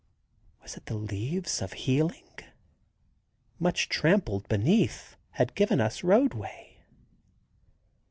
Was it the leaves of healing? Much trampled beneath had given us roadway.